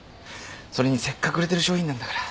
それにせっかく売れてる商品なんだから。